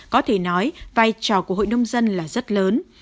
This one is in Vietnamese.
có thể nói vai trò của hội nông dân là rất lớn